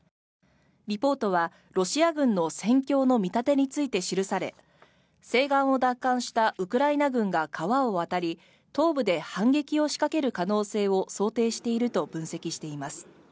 リポートはロシア軍の戦況の見立てについて記され西岸を奪還したウクライナ軍が川を渡り東部で反撃を仕掛ける可能性を想定していると分析しています。